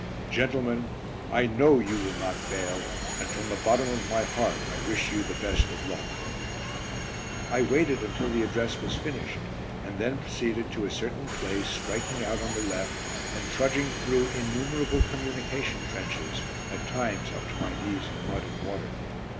Gentlemen, I know you will not fail, and from the bottom of my heart I wish you the best of luck." I waited until the address was finished, and then proceeded to a certain place, striking out on the left and trudging through innumerable communication trenches, at times up to my knees in mud and water.